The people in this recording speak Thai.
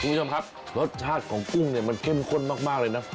คุณผู้ชมครับรสชาติของกุ้งเนี่ยมันเข้มข้นมากเลยนะ